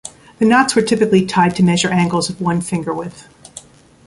The knots were typically tied to measure angles of one finger-width.